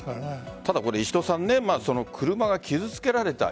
ただ、これは車が傷つけられた。